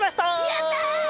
やった！